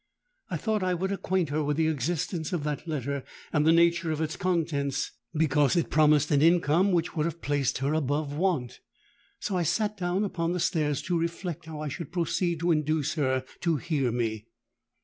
I thought I would acquaint her with the existence of that letter and the nature of its contents; because it promised an income which would have placed her above want. So I sate down upon the stairs to reflect how I should proceed to induce her to hear me.